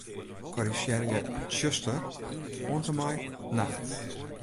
Korrizjearje 'tsjuster' oant en mei 'nacht'.